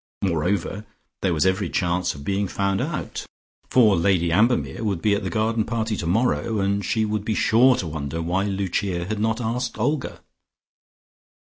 Moreover there was every chance of being found out, for Lady Ambermere would be at the garden party tomorrow, and she would be sure to wonder why Lucia had not asked Olga.